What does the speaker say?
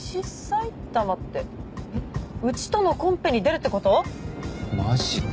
えっうちとのコンペに出るってこと⁉マジか。